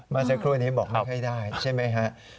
มาเสียครู่นี้บอกไม่ค่อยได้ใช่ไหมครับ